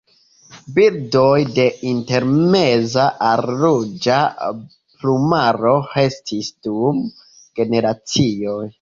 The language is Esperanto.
Birdoj de intermeza al ruĝa plumaro restis dum generacioj.